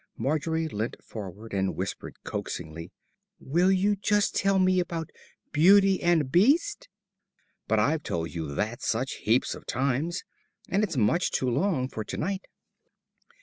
Margery leant forward and whispered coaxingly, "Will you just tell me about Beauty and 'e Beast?" "But I've told you that such heaps of times. And it's much too long for to night."